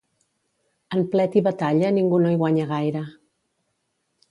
En plet i batalla ningú no hi guanya gaire.